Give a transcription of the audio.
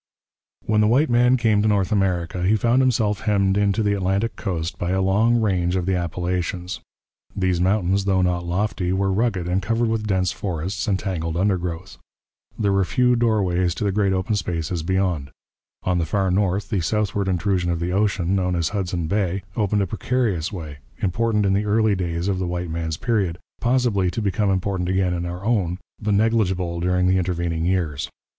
When the white man came to North America, he found himself hemmed in to the Atlantic coast by the long range of the Appalachians. These mountains, though not lofty, were rugged and covered with dense forests and tangled undergrowth. There were few doorways to the great open spaces beyond. On the far north the southward intrusion of the ocean, known as Hudson Bay, opened a precarious way, important in the early days of the white man's period, possibly to become important again in our own, but negligible during the intervening years.